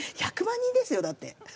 １００万人ですよだって。